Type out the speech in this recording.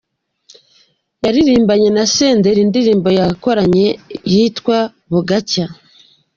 Yaririmbanye na Senderi indirimbo bakoranye yitwa Bugacya.